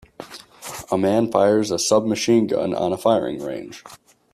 A man fires a sub machine gun on a firing range